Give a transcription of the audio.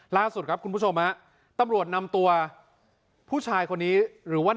ล่าสุดครับคุณผู้ชมฮะตำรวจนำตัวผู้ชายคนนี้หรือว่า